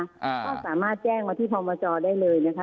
ก็สามารถแจ้งมาที่พมจได้เลยนะคะ